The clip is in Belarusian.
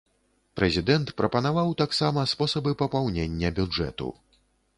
Прэзідэнт прапанаваў таксама спосабы папаўнення бюджэту.